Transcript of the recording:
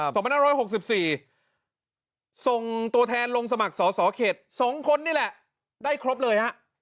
สองพันธุ์๑๖๔ส่งตัวแทนลงสมัครสอสอเขตสองคนนี่แหละได้ครบเลยครับ